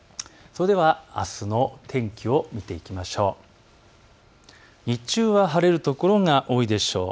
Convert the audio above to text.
それではあすの天気を見ていきましょう。